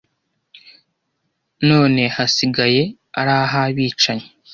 none hasigaye ari ah’abicanyi